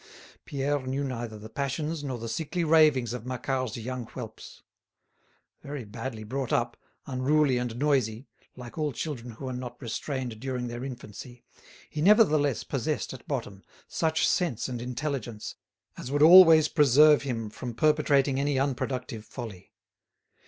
Pierre knew neither the passions nor the sickly ravings of Macquart's young whelps. Very badly brought up, unruly and noisy, like all children who are not restrained during their infancy, he nevertheless possessed at bottom such sense and intelligence as would always preserve him from perpetrating any unproductive folly.